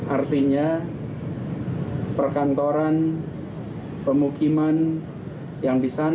artinya perkantoran pemukiman yang di sana